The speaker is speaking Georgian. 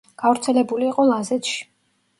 გავრცელებული იყო ლაზეთში.